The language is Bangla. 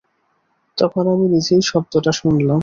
তখন আমি নিজেই শব্দটা শুনলাম।